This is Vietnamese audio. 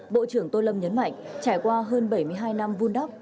bộ trưởng tô lâm nhấn mạnh trải qua hơn bảy mươi hai năm vun đắp